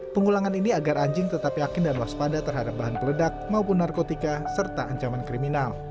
pengulangan ini agar anjing tetap yakin dan waspada terhadap bahan peledak maupun narkotika serta ancaman kriminal